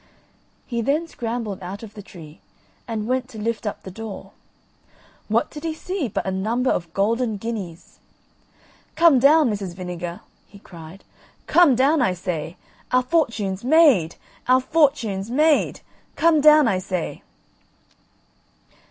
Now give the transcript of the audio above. He then scrambled out of the tree, and went to lift up the door. What did he see but a number of golden guineas. "Come down, Mrs. Vinegar," he cried; "come down, I say; our fortune's made, our fortune's made! Come down, I say."